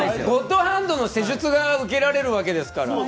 ゴッドハンドの施術が受けられるわけですから。